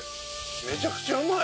めちゃくちゃうまい！